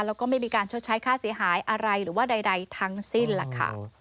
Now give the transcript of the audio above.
แล้วก็ไม่มีการชดใช้ค่าเสียหายอะไรหรือว่าใดทั้งสิ้นล่ะค่ะ